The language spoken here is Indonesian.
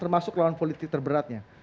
masuk lawan politik terberatnya